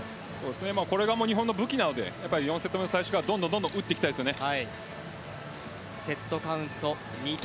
これが日本の武器なので４セット目の最初からどんどん打っていきたいですね。